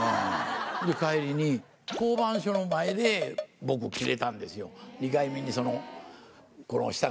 で、帰りに、交番所の前で、僕、きれたんですよ。